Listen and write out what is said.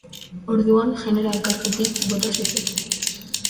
Orduan, jeneral kargutik bota zuten.